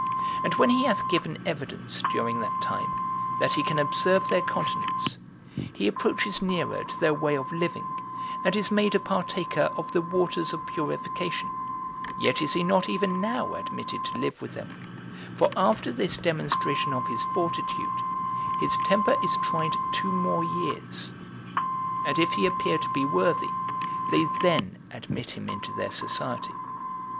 And when he hath given evidence, during that time, that he can observe their continence, he approaches nearer to their way of living, and is made a partaker of the waters of purification; yet is he not even now admitted to live with them; for after this demonstration of his fortitude, his temper is tried two more years; and if he appear to be worthy, they then admit him into their society.